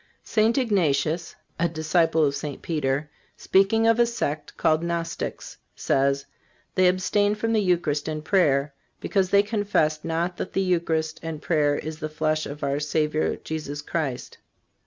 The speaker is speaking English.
St. Ignatius, a disciple of St. Peter, speaking of a sect called Gnostics, says: "They abstain from the Eucharist and prayer, because they confess not that the Eucharist and prayer is the flesh of our Savior Jesus Christ."